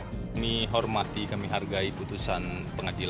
kami hormati kami hargai putusan pengadilan